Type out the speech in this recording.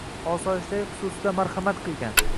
Osoyishtalik xususida marhamat qilgan